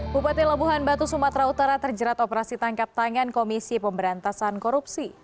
bupati labuhan batu sumatera utara terjerat operasi tangkap tangan komisi pemberantasan korupsi